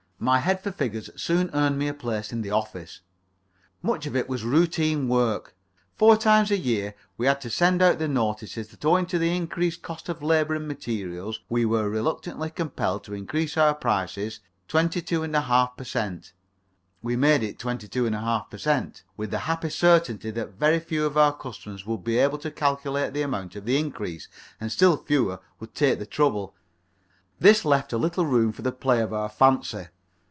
My head for figures soon earned me a place in the office. Much of it was routine work. Four times every year we had to send out the notices that owing to the increased cost of labour and materials we were reluctantly compelled to increase our prices 22 ½ per cent. We made it 22 ½ per cent. with the happy certainty that very few of our customers would be able to calculate the amount of the increase, and still fewer would take the trouble; this left a little room for the play of our fancy.